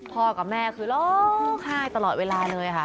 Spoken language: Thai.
กับแม่คือร้องไห้ตลอดเวลาเลยค่ะ